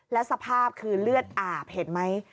แล้วสภาพคือเลือดอาบเห็นไหม